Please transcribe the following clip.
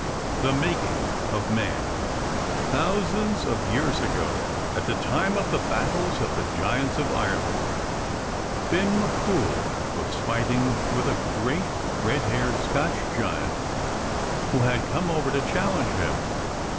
THE MAKING OF MANN Thousands of years ago, at the time of the Battles of the Giants in Ireland, Finn Mac Cooil was fighting with a great, red haired Scotch giant who had come over to challenge him.